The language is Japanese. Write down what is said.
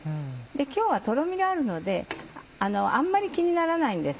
今日はトロミがあるのであんまり気にならないんです。